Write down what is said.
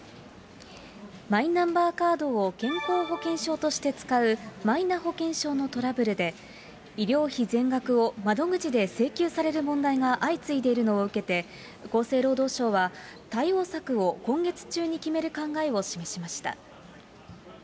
マイナンバーカードを健康保険証として使うマイナ保険証のトラブルで、医療費全額を窓口で請求される問題が相次いでいるのを受けて、厚生労働省は、対応策を今月中に決める考えを示しました。